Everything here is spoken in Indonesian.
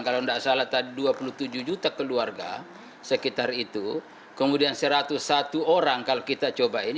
kalau tidak salah tadi dua puluh tujuh juta keluarga sekitar itu kemudian satu ratus satu orang kalau kita cobain